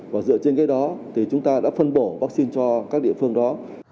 và dựa trên cái đó thì chúng ta đã phân bổ vaccine cho các địa phương đó